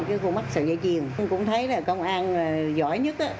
cái cô mắc sợi dây chiều cô cũng thấy là công an giỏi nhất